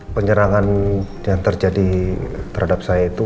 penyerangan yang terjadi terhadap saya itu